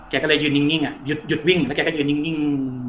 แกก็เลยยืนนิ่งหยุดวิ่งแล้วแกก็ยืนนิ่ง